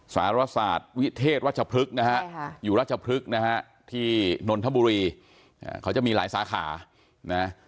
สารศาสตร์วิเทศวัชพฤกษ์นะฮะอยู่ราชพฤกษ์นะฮะที่นนทบุรีเขาจะมีหลายสาขานะ